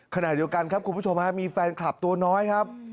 ขณะเดียวกันครับคุณผู้ชมฮะมีแฟนคลับตัวน้อยครับ